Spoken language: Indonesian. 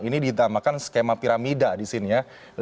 ini ditamakan skema piramida di sini ya